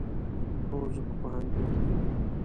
هو، زه په پوهنتون کې یم